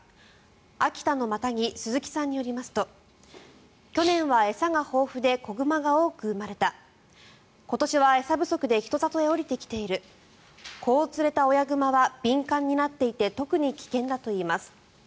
秋田のマタギ鈴木さんによりますと去年は餌が豊富で子熊が多く生まれた今年は餌不足で人里へ下りてきている子を連れた親熊は敏感になっていて特に危険だといいます。